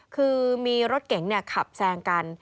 คือมีรถเก๋งขับแซงกัน